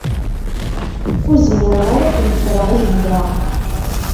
Ur zmireɣ ara ad ken-ffreɣ i lebda.